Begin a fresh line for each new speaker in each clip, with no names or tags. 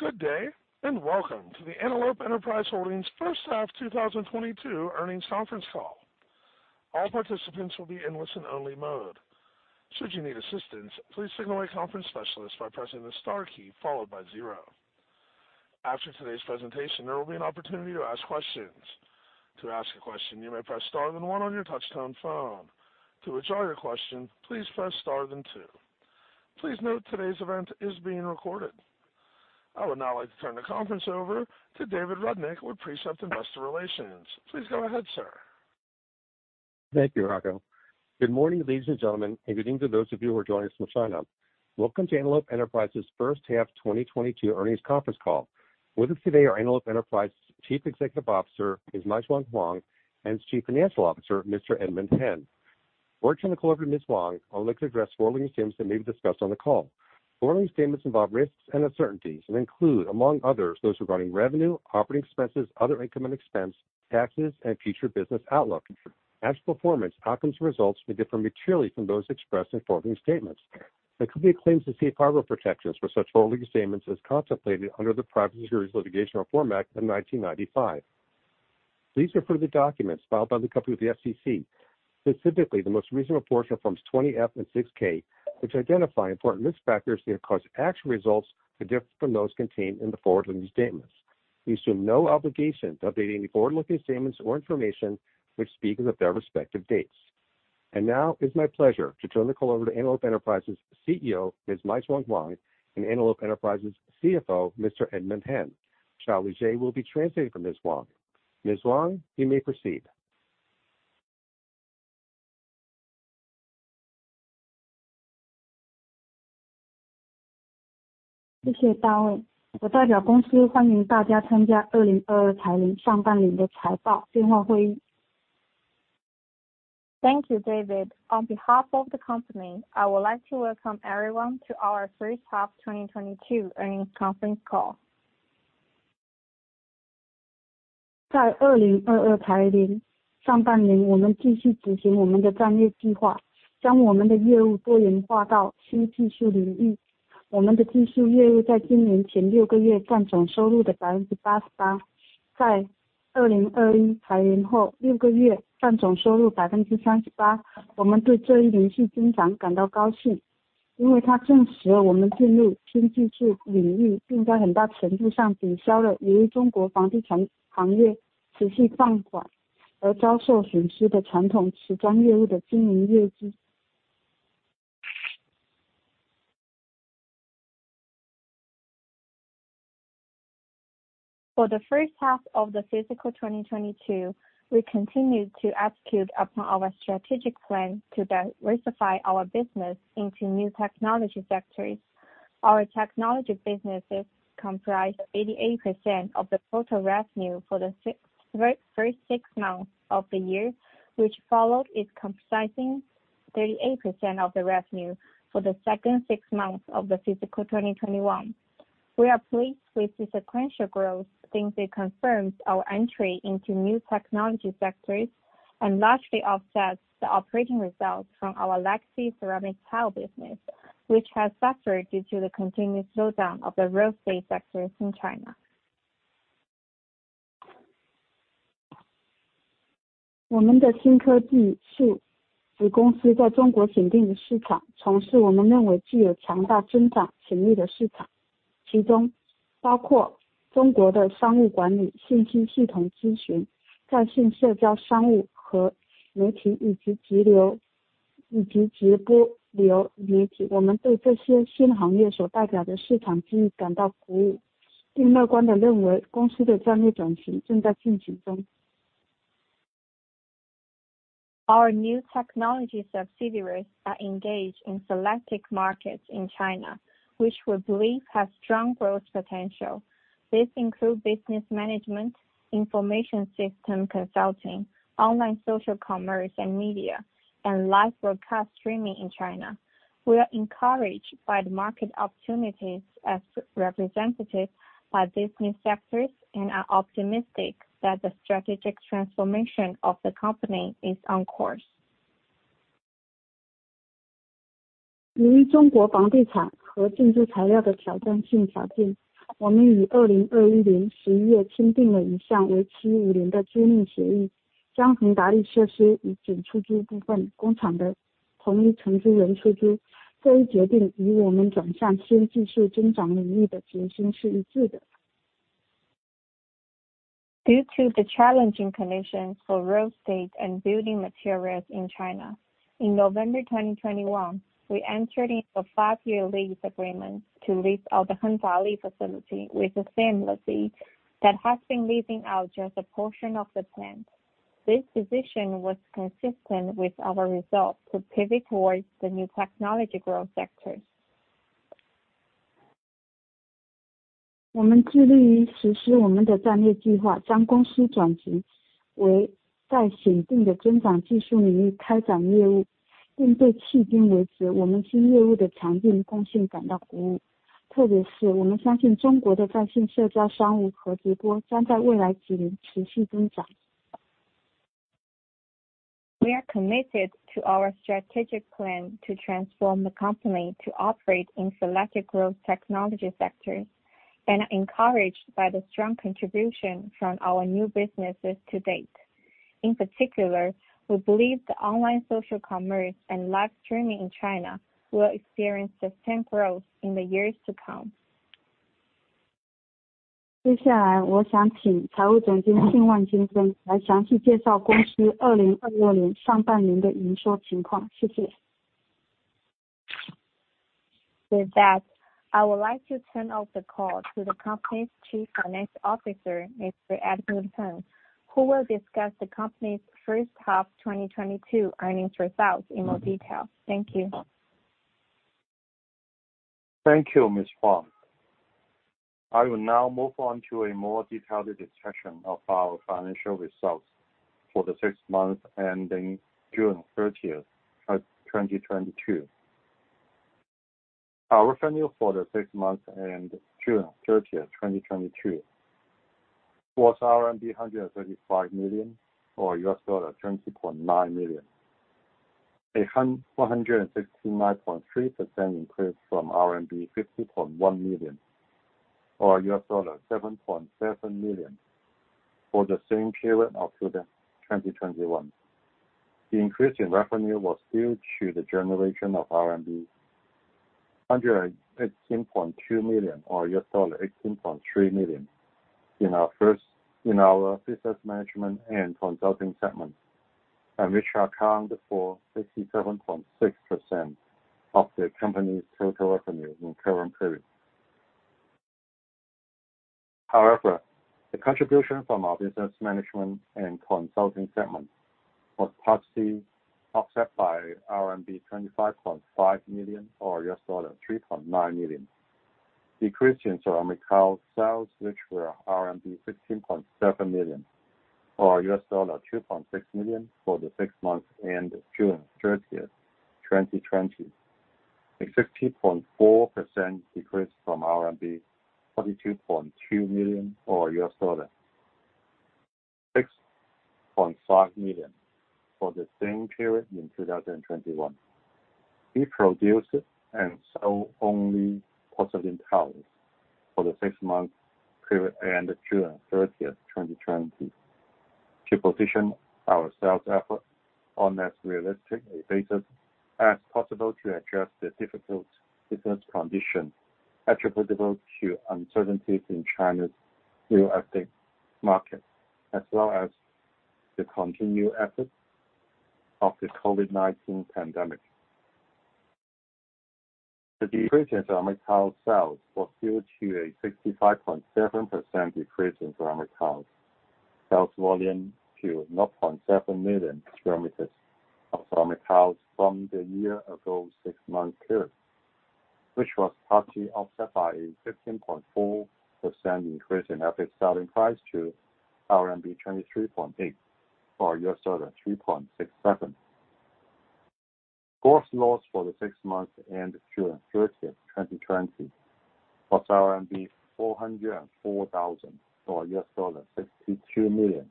Good day, and welcome to the Antelope Enterprise Holdings First Half 2022 Earnings Conference Call. All participants will be in listen-only mode. Should you need assistance, please signal a conference specialist by pressing the star key followed by zero. After today's presentation, there will be an opportunity to ask questions. To ask a question, you may press star then one on your touchtone phone. To withdraw your question, please press star then two. Please note today's event is being recorded. I would now like to turn the conference over to David Rudnick with Precept Investor Relations. Please go ahead, sir.
Thank you, Rocco. Good morning, ladies and gentlemen, and good evening to those of you who are joining us from China. Welcome to Antelope Enterprise's First Half 2022 Earnings Conference Call. With us today are Antelope Enterprise Chief Executive Officer, Ms. Meishuang Huang, and Chief Financial Officer, Mr. Edmund Tong. Before I turn the call over to Ms. Huang, I would like to address forward-looking statements that may be discussed on the call. Forward-looking statements involve risks and uncertainties and include, among others, those regarding revenue, operating expenses, other income and expense, taxes, and future business outlook. As performance, outcomes and results may differ materially from those expressed in forward-looking statements. The company claims the Safe Harbor protections for such forward-looking statements as contemplated under the Private Securities Litigation Reform Act of 1995. Please refer to the documents filed by the company with the SEC, specifically the most recent reports on Forms 20-F and 6-K, which identify important risk factors that cause actual results to differ from those contained in the forward-looking statements. We assume no obligation to updating the forward-looking statements or information, which speak as of their respective dates. Now, it's my pleasure to turn the call over to Antelope Enterprise's CEO, Ms. Meishuang Huang, and Antelope Enterprise's CFO, Mr. Edmund Tong. Charlie Jay will be translating for Ms. Huang. Ms. Huang, you may proceed.
Thank you, David. On behalf of the company, I would like to welcome everyone to our first half 2022 earnings conference call. For the first half of the fiscal 2022, we continued to execute upon our strategic plan to diversify our business into new technology sectors. Our technology businesses comprise 88% of the total revenue for the first six months of the year, which followed it comprising 38% of the revenue for the second six months of the fiscal 2021. We are pleased with the sequential growth since it confirms our entry into new technology sectors and largely offsets the operating results from our legacy ceramic tile business, which has suffered due to the continued slowdown of the real estate sectors in China. Our new technology subsidiaries are engaged in selected markets in China, which we believe has strong growth potential. This includes business management, information system consulting, online social commerce and media, and live broadcast streaming in China. We are encouraged by the market opportunities as represented by these new sectors and are optimistic that the strategic transformation of the company is on course. Due to the challenging conditions for real estate and building materials in China, in November 2021, we entered into a five-year lease agreement to lease out the Hengdali facility with the same lessee that has been leasing out just a portion of the plant. This decision was consistent with our resolve to pivot towards the new technology growth sectors. We are committed to our strategic plan to transform the company to operate in selected growth technology sectors, and are encouraged by the strong contribution from our new businesses to date. In particular, we believe the online social commerce and live streaming in China will experience sustained growth in the years to come. With that, I would like to turn over the call to the company's Chief Financial Officer, Mr. Edmund Tong, who will discuss the company's first half 2022 earnings results in more detail. Thank you.
Thank you, Ms. Huang. I will now move on to a more detailed discussion of our financial results for the six months ending June thirtieth, 2022. Our revenue for the six months ending June thirtieth, 2022 was RMB 135 million or $20.9 million. A 169.3% increase from RMB 50.1 million or $7.7 million for the same period of 2021. The increase in revenue was due to the generation of 118.2 million RMB or $18.3 million in our business management and consulting segment, and which account for 67.6% of the company's total revenue in current period. However, the contribution from our business management and consulting segment was partly offset by RMB 25.5 million or $3.9 million. Decreases in ceramic tile sales, which were RMB 16.7 million or $2.6 million for the six months ending June 30, 2020, a 60.4% decrease from RMB 42.2 million or $6.5 million for the same period in 2021. We produced and sold only porcelain tiles for the six months period ending June 30, 2020 to position our sales effort on a realistic basis as possible to address the difficult business conditions attributable to uncertainties in China's real estate market, as well as the continued effects of the COVID-19 pandemic. The decrease in ceramic tile sales was due to a 65.7% decrease in ceramic tile sales volume to 0.7 million square meters of ceramic tiles from the year-ago six-month period, which was partly offset by a 15.4% increase in average selling price to RMB 23.8 or $3.67. Gross loss for the six months ending June 30, 2020 was RMB 404 thousand or $62 thousand,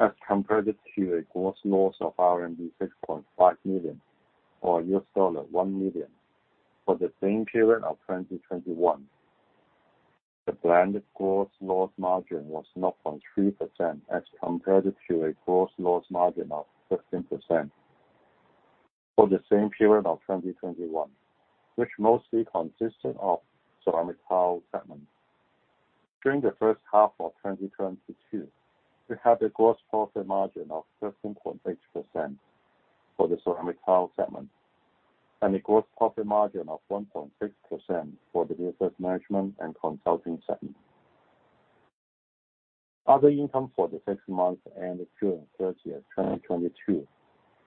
as compared to a gross loss of RMB 6.5 million or $1 million for the same period of 2021. The blended gross loss margin was 0.3% as compared to a gross loss margin of 13% for the same period of 2021, which mostly consisted of ceramic tile segment. During the first half of 2022, we had a gross profit margin of 13.8% for the ceramic tile segment, and a gross profit margin of 1.6% for the business management and consulting segment. Other income for the six months ending June 30, 2022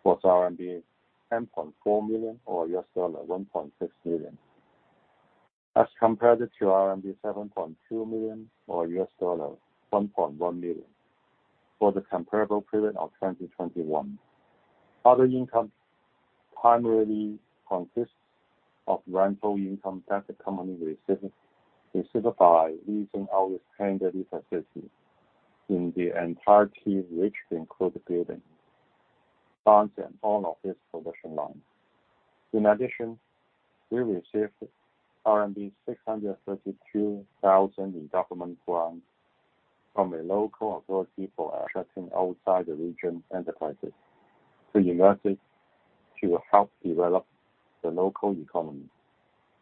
was 10.4 million or $1.6 million, as compared to 7.2 million or $1.1 million for the comparable period of 2021. Other income primarily consists of rental income that the company receives by leasing out standard facilities in the entirety which include building, lands and all of its production lines. In addition, we received RMB 632,000 in government grants from a local authority for attracting outside the region enterprises to help develop the local economy.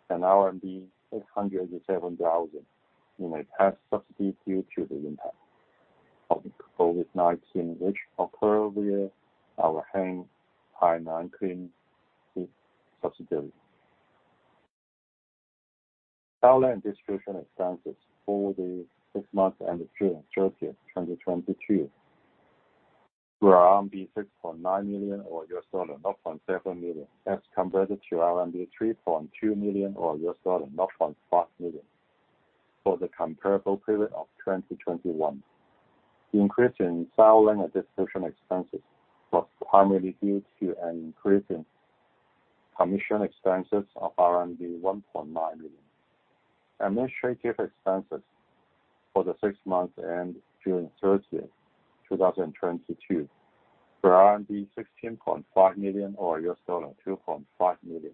RMB 607,000 in a past subsidy due to the impact of the COVID-19, which occurred via our Hainan Kylin subsidiary. Selling and distribution expenses for the six months ending June 30, 2022 were RMB 6.9 million or $0.7 million, as compared to RMB 3.2 million or $0.5 million for the comparable period of 2021. The increase in selling and distribution expenses was primarily due to an increase in commission expenses of 1.9 million. Administrative expenses for the six months ending June 30, 2022 were RMB 16.5 million or $2.5 million.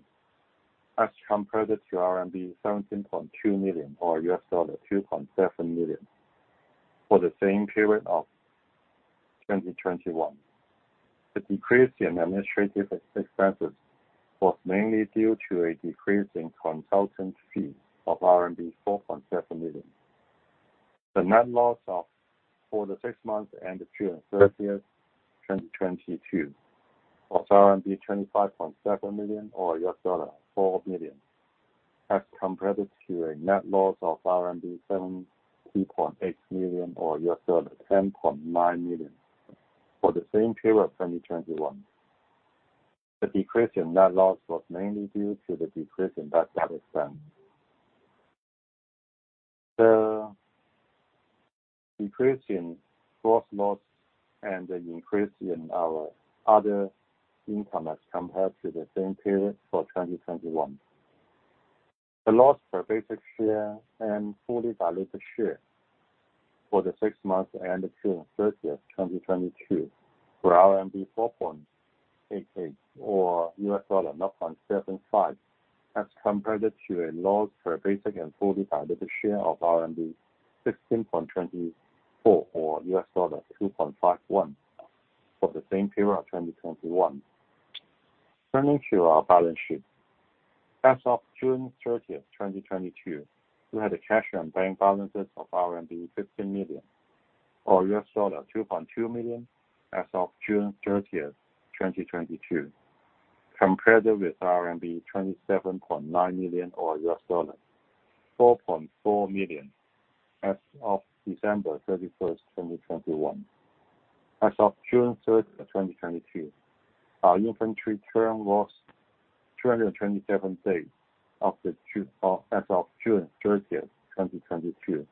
As compared to RMB 17.2 million or $2.7 million for the same period of 2021. The decrease in administrative expenses was mainly due to a decrease in consultant fees of RMB 4.7 million. The net loss for the six months ended June 30, 2022 was RMB 25.7 million, or $4 million, as compared to a net loss of RMB 70.8 million or $10.9 million for the same period, 2021. The decrease in net loss was mainly due to the decrease in bad debt expense. The decrease in gross loss and an increase in our other income as compared to the same period for 2021. The loss per basic share and fully diluted share for the six months ended June 30, 2022 were RMB 4.88 or $0.75, as compared to a loss per basic and fully diluted share of RMB 16.24 or $2.51 for the same period, 2021. Turning to our balance sheet. As of June 30, 2022, we had cash and bank balances of RMB 15 million or $2.2 million as of June 30, 2022, compared with RMB 27.9 million or $4.4 million as of December 31, 2021. As of June 30, 2022, our inventory turn was 227 days of the June. As of June 30, 2022,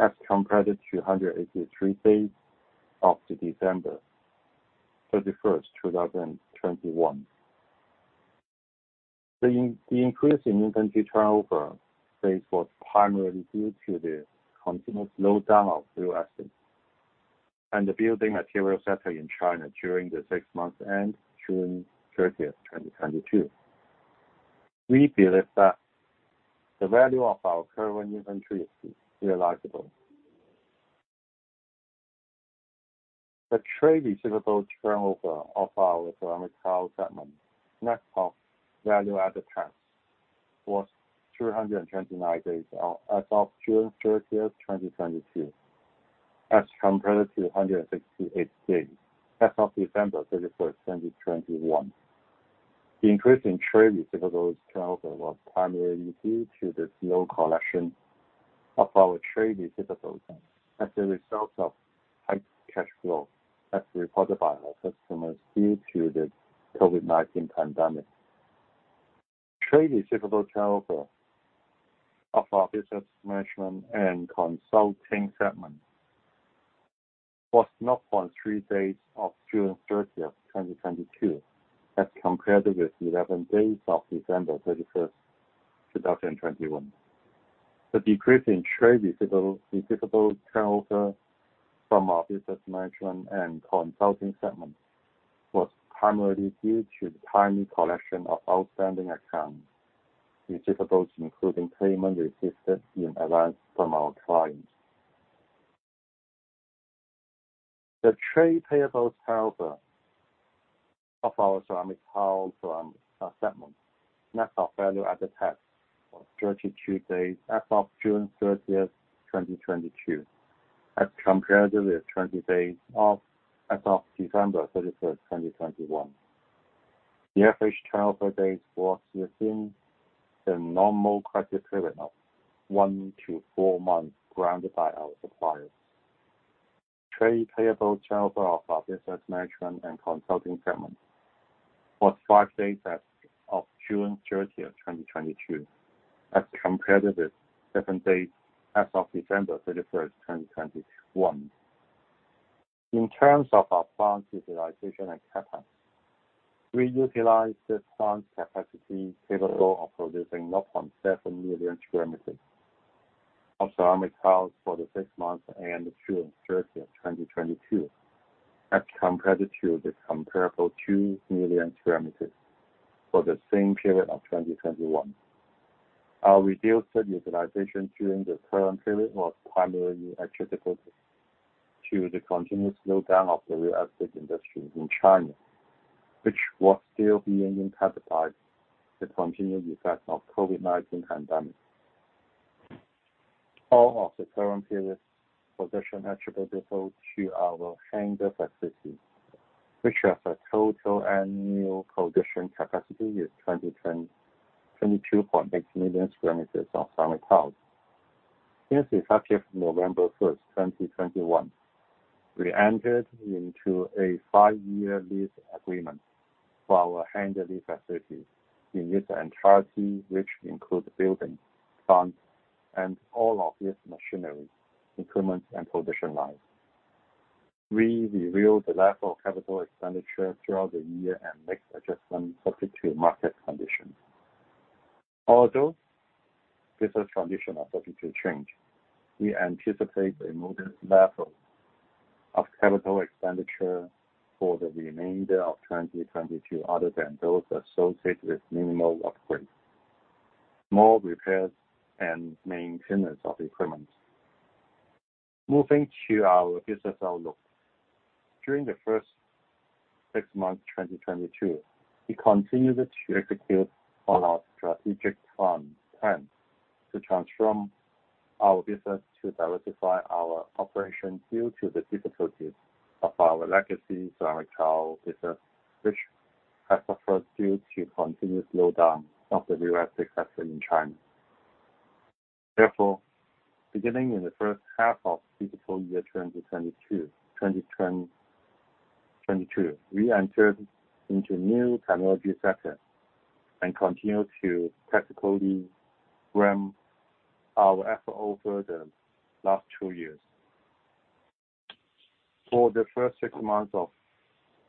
as compared to 183 days as of December 31, 2021. The increase in inventory turnover days was primarily due to the continuous slowdown of real estate and the building materials sector in China during the six months ended June 30, 2022. We believe that the value of our current inventory is realizable. The trade receivable turnover of our ceramic tile segment, net of value-added tax, was 329 days as of June 30, 2022, as compared to 168 days as of December 31, 2021. The increase in trade receivables turnover was primarily due to the slow collection of our trade receivables as a result of tight cash flow as reported by our customers due to the COVID-19 pandemic. Trade receivables turnover of our business management and consulting segment was 0.3 days as of June 30, 2022, as compared with 11 days as of December 31, 2021. The decrease in trade receivables turnover from our business management and consulting segment was primarily due to the timely collection of outstanding accounts receivable, including payment received in advance from our clients. The trade payables turnover of our ceramic tile segment, net of value-added tax, was 32 days as of June 30, 2022, as compared with 20 days as of December 31, 2021. The average turnover days was within the normal credit period of one to four months granted by our suppliers. Trade payables turnover of our business management and consulting segment was five days as of June 30, 2022, as compared with seven days as of December 31, 2021. In terms of our plant utilization and capacity, we utilized the plant capacity capable of producing 0.7 million square meters of ceramic tiles for the six months ended June 30, 2022, as compared to the comparable two million square meters for the same period of 2021. Our reduced utilization during the current period was primarily attributable to the continuous slowdown of the real estate industry in China, which was still being impacted by the continued effect of COVID-19 pandemic. All of the current period's production attributable to our Hengda facility, which has a total annual production capacity of 22.8 million square meters of ceramic tiles. Since effective November 1, 2021, we entered into a five-year lease agreement for our Hengdali facility in its entirety, which includes buildings, plants and all of its machinery, improvements and production lines. We review the level of capital expenditure throughout the year and make adjustments subject to market conditions. Although business conditions are subject to change, we anticipate a modest level of capital expenditure for the remainder of 2022 other than those associated with minimal upgrades, small repairs, and maintenance of equipment. Moving to our business outlook. During the first six months, 2022, we continued to execute on our strategic plan to transform our business to diversify our operations due to the difficulties of our legacy ceramic tile business, which has suffered due to continued slowdown of the real estate sector in China. Therefore, beginning in the first half of fiscal year 2022, we entered into new technology sectors and continued to strategically ramp our effort over the last two years. For the first six months of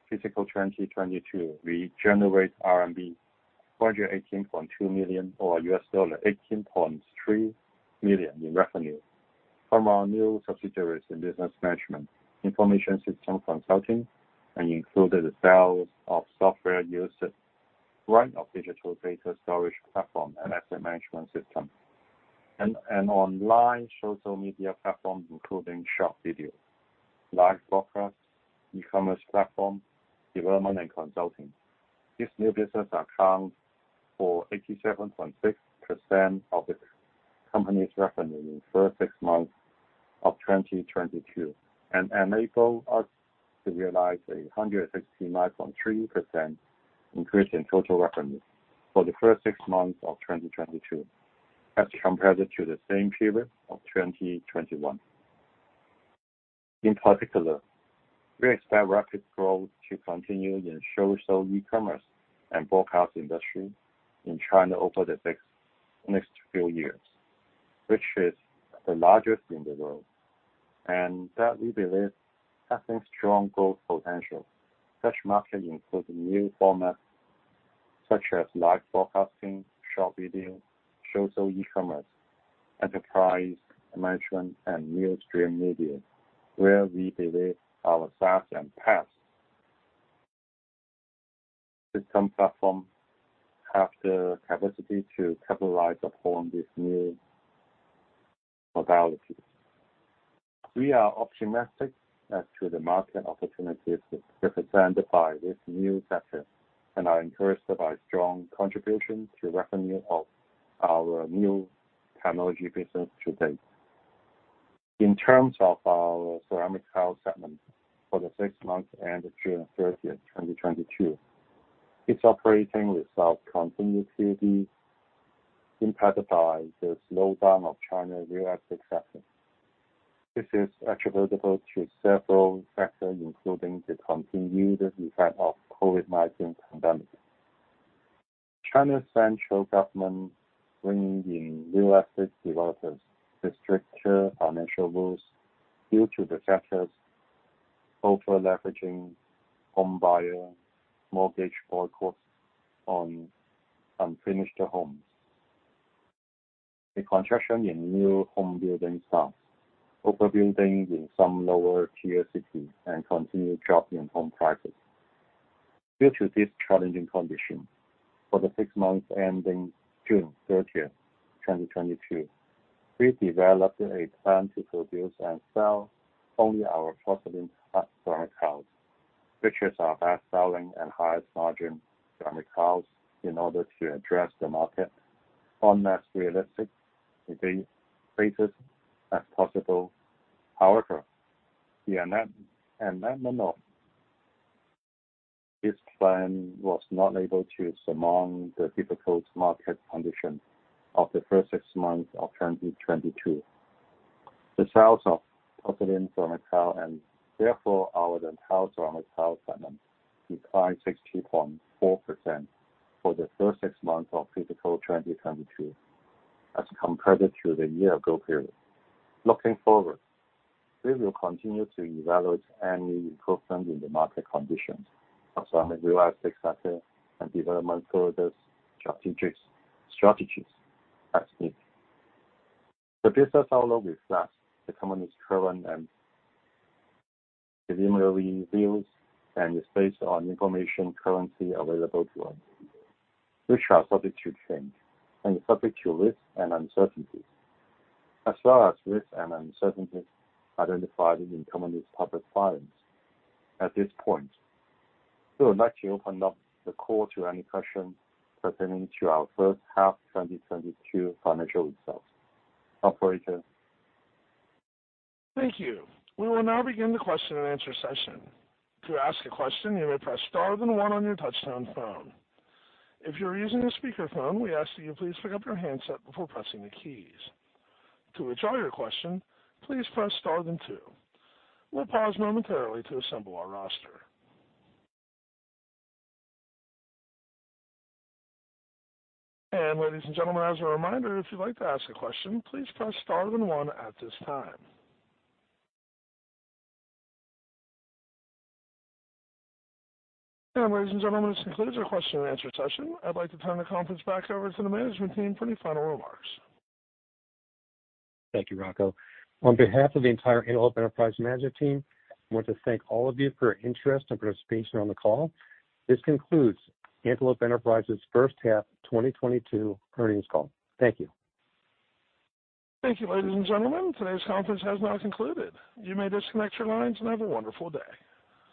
fiscal 2022, we generate RMB 418.2 million or $18.3 million in revenue from our new subsidiaries in business management, information system consulting, and included the sales of software usage, right of digital data storage platform and asset management system and online social media platforms, including short video, live broadcast, e-commerce platform, development, and consulting. These new businesses account for 87.6% of the company's revenue in the first six months of 2022 and enable us to realize a 169.3% increase in total revenue for the first six months of 2022 as compared to the same period of 2021. In particular, we expect rapid growth to continue in social e-commerce and broadcast industry in China over the next few years, which is the largest in the world. That we believe has a strong growth potential. Such markets include new formats such as live broadcasting, short video, social e-commerce, enterprise management, and real stream media, where we believe our SaaS and PaaS system platform have the capacity to capitalize upon these new modalities. We are optimistic as to the market opportunities represented by this new sector and are encouraged by strong contribution to revenue of our new technology business to date. In terms of our ceramic tile segment for the six months ended June 30, 2022, its operating results continued to be impacted by the slowdown of China's real estate sector. This is attributable to several factors, including the continued effect of COVID-19 pandemic, China's central government bringing in real estate developers, the stricter financial rules due to the sector's overleveraging, homebuyer mortgage boycotts on unfinished homes, the construction in new home building stops, overbuilding in some lower-tier cities, and continued drop in home prices. Due to these challenging conditions, for the six months ending June 30, 2022, we developed a plan to produce and sell only our porcelain ceramic tiles, which is our best-selling and highest margin ceramic tiles in order to address the market on as realistic basis as possible. However, the amendment of this plan was not able to surmount the difficult market conditions of the first six months of 2022. The sales of porcelain ceramic tile and therefore our ceramic tile segment declined 60.4% for the first six months of fiscal 2022 as compared to the year-ago period. Looking forward, we will continue to evaluate any improvement in the market conditions of ceramic real estate sector and develop further strategies as needed. The business outlook reflects the company's current and preliminary views and is based on information currently available to us, which are subject to change and subject to risks and uncertainties as well as risks and uncertainties identified in the company's public filings. At this point, we would like to open up the call to any questions pertaining to our first half 2022 financial results. Operator.
Thank you. We will now begin the question and answer session. To ask a question, you may press star then one on your touchtone phone. If you're using a speakerphone, we ask that you please pick up your handset before pressing the keys. To withdraw your question, please press star then two. We'll pause momentarily to assemble our roster. Ladies and gentlemen, as a reminder, if you'd like to ask a question, please press star then one at this time. Ladies and gentlemen, this concludes our question and answer session. I'd like to turn the conference back over to the management team for any final remarks.
Thank you, Rocco. On behalf of the entire Antelope Enterprise management team, I want to thank all of you for your interest and participation on the call. This concludes Antelope Enterprise's first half 2022 earnings call. Thank you.
Thank you, ladies and gentlemen. Today's conference has now concluded. You may disconnect your lines and have a wonderful day.